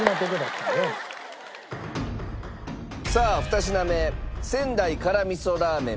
さあ２品目仙台辛みそラーメン。